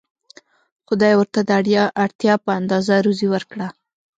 خدای ورته د اړتیا په اندازه روزي ورکړه.